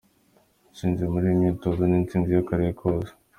Intsinzi muri iyi myitozo ni intsinzi y’Akarere kose.